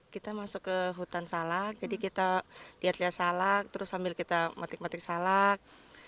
kita masuk ke hutan salak jadi kita lihat lihat salak terus sambil kita metik metik salak